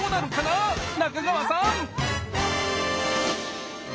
仲川さん！